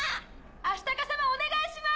アシタカ様お願いします！